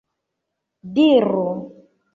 diru